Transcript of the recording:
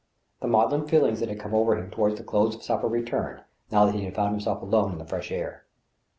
The maudlin feelings that had come over him toward the close of supper returned, now that he found himself alone in the fresh air.